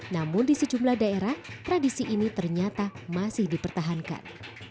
namun di sejumlah daerah tradisi ini ternyata masih dipertahankan